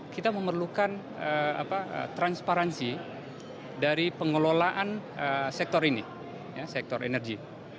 kita memerlukan transparansi dari pengelolaan sektor ini sektor energi